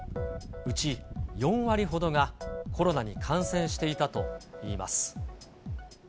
内４割ほどがコロナに感染していたといいます。